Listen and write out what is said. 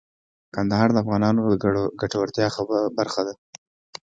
کندهار د افغانانو د ګټورتیا برخه ده.